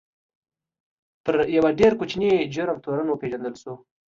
پر یوه ډېر کوچني جرم تورن وپېژندل شو.